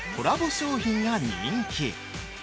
商品が人気。